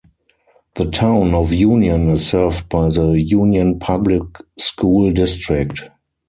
The Town of Union is served by the Union Public School District.